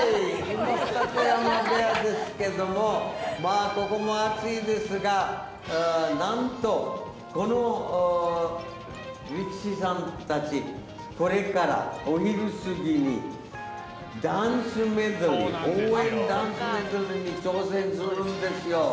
二子山部屋ですけれども、まあここも暑いんですが、なんと、この力士さんたち、これからお昼過ぎに、ダンスメドレー、応援ダンスメドレーに挑戦するんですよ。